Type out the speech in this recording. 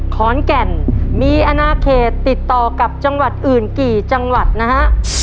ขอนแก่นมีอนาเขตติดต่อกับจังหวัดอื่นกี่จังหวัดนะฮะ